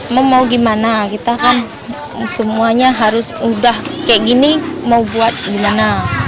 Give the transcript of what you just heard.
mau mau gimana kita kan semuanya harus udah kayak gini mau buat gimana